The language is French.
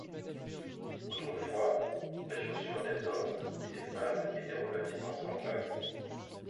Autre fois, les chaussures des hommes et des femmes étaient relativement semblables.